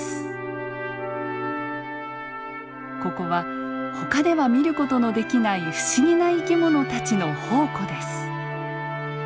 ここはほかでは見る事のできない不思議な生き物たちの宝庫です。